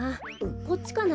こっちかな？